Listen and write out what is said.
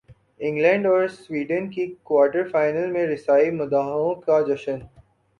England اور Sweden کی quarter final میں رسائی مداحوں کا جشن